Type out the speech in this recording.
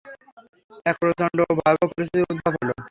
এক প্রচণ্ড ও ভয়াবহ পরিস্থিতির উদ্ভব হল।